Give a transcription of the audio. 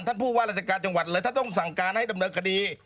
ท่านผู้ว่าราชการจังหวัดเลยท่านต้องสั่งการให้ดำเนินคดี